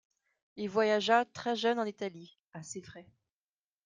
Il voyagea très jeune en Italie, à ses frais.